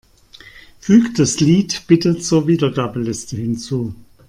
Füg das Lied bitte zur Wiedergabeliste hinzu.